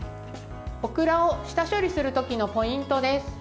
オクラを下処理する時のポイントです。